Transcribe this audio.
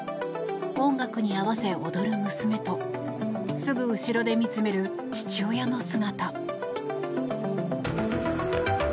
音楽に合わせ踊る娘とすぐ後ろで見つめる父親の姿。